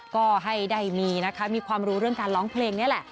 ก็ให้ได้มีนะคะมีความรู้เรื่องการร้องเพลงนี่แหละ